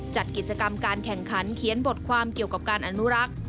จัดกิจกรรมการแข่งขันเขียนบทความเกี่ยวกับการอนุรักษ์